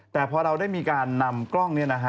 แต่พอเราได้มีการนำกล้องเนี่ยนะฮะ